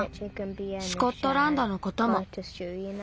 スコットランドのことも。